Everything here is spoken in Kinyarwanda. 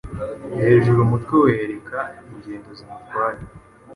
Hejuru umutwe wereka -ingendo zimutware